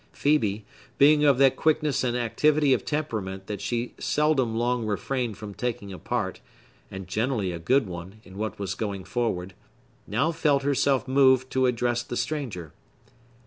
Phœbe (being of that quickness and activity of temperament that she seldom long refrained from taking a part, and generally a good one, in what was going forward) now felt herself moved to address the stranger.